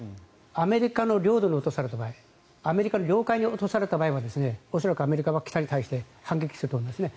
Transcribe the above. アメリカの領土に落とされた場合アメリカの領海に落とされた場合は恐らくアメリカは北に対して反撃すると思いますね。